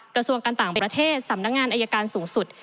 กระทรวงการต่างประเทศสำนักงานอายการสูงสุด